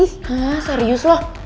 hah serius lo